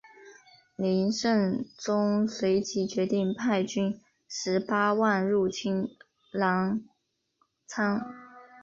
黎圣宗随即决定派兵十八万入侵澜沧。